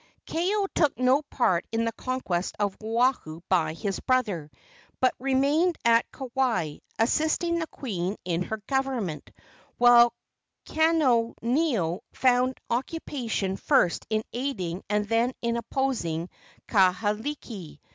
Kaeo took no part in the conquest of Oahu by his brother, but remained at Kauai, assisting the queen in her government, while Kaneoneo found occupation first in aiding and then in opposing Kahekili.